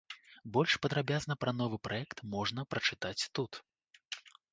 Больш падрабязна пра новы праект можна прачытаць тут.